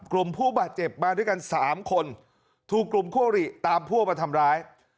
กลุ่มผู้บาดเจ็บมาด้วยกัน๓คนถูกกลุ่มคั่วหรี่ตามพวกมาทำร้าย